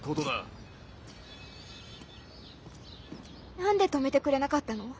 何で止めてくれなかったの？